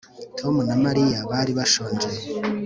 Tom na Mariya bari bashonje